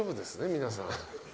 皆さん。